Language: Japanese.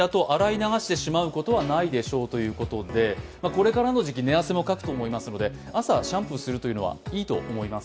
これからの時期、寝汗もかくと思いますので朝、シャンプーするというのはいいと思います。